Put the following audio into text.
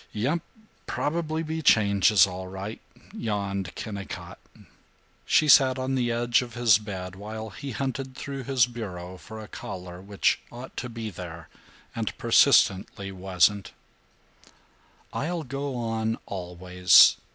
"Yump, probably be changes all right," yawned Kennicott. She sat on the edge of his bed while he hunted through his bureau for a collar which ought to be there and persistently wasn't. "I'll go on, always.